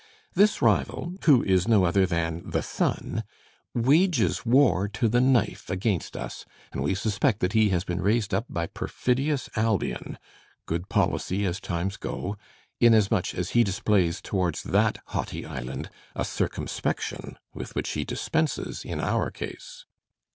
This rival, who is no other than the Sun, wages war to the knife against us, and we suspect that he has been raised up by perfidious Albion (good policy as times go); inasmuch as he displays towards that haughty island a circumspection with which he dispenses in our case.